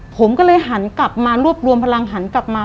ผมก็เลยหันกลับมารวบรวมพลังหันกลับมา